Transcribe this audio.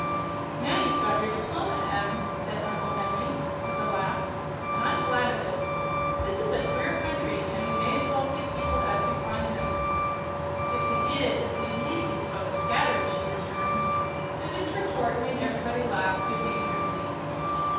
"Now you've got your diploma, Em," said Uncle Henry, with a laugh, "and I'm glad of it. This is a queer country, and we may as well take people as we find them." "If we did, we'd leave these folks scattered," she returned, and this retort made everybody laugh good naturedly.